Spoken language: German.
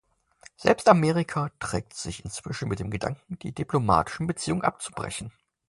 Selbst Amerika trägt sich inzwischen mit dem Gedanken, die diplomatischen Beziehungen abzubrechen.